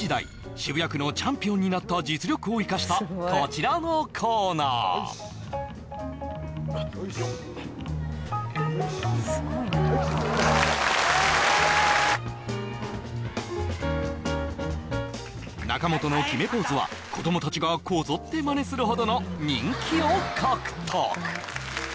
渋谷区のチャンピオンになった実力を生かしたこちらのコーナー仲本の決めポーズは子供たちがこぞってマネするほどの人気を獲得